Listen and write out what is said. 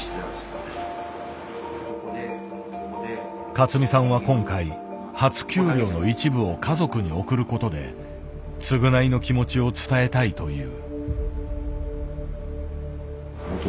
勝美さんは今回初給料の一部を家族に送ることで償いの気持ちを伝えたいという。